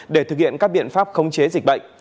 để thực hiện các biện pháp khống chế dịch bệnh